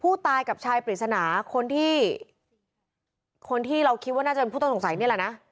ผู้ตายกับชายปริศนาคนที่คนที่เราคิดว่าน่าจะเป็นผู้ต้องสงสัยนี่แหละนะ